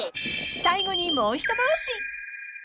［最後にもう一回し］